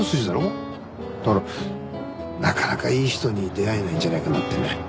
だからなかなかいい人に出会えないんじゃないかなってね。